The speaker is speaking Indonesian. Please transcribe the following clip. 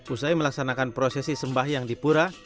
usai melaksanakan prosesi sembah yang dipura